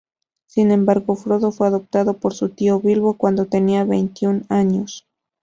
Sin embargo, Frodo fue adoptado por su tío Bilbo cuando tenía veintiún años.